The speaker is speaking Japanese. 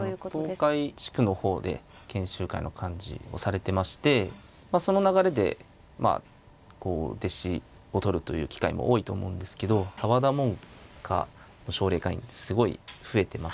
東海地区の方で研修会の幹事をされてましてその流れでまあ弟子を取るという機会も多いと思うんですけど澤田門下の奨励会員すごい増えてます。